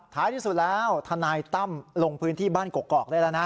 ท้ายที่สุดแล้วทนายตั้มลงพื้นที่บ้านกกอกได้แล้วนะ